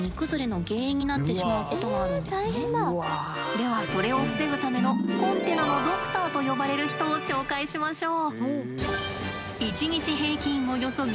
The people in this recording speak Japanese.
ではそれを防ぐためのコンテナのドクターと呼ばれる人を紹介しましょう。